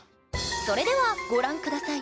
それではご覧下さい。